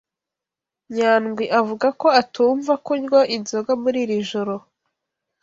Nyandwi avuga ko atumva kunywa inzoga muri iri joro.